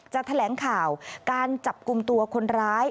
แถลงข่าวการจับกลุ่มตัวคนร้าย